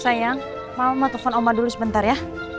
sayang mama mau telfon oma dulu sebentar ya